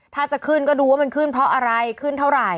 ถ้าจะขึ้นก็ดูว่ามันขึ้นเพราะอะไรขึ้นเท่าไหร่